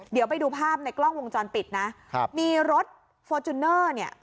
เดี๋ยวไปดูภาพในกล้องวงจรปิดนะครับมีรถฟอร์จูเนอร์เนี่ย